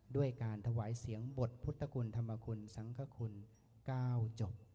ด้วยการถวายเสียงบทพุทธคุณธรรมคุณสังคคุณ๙จบ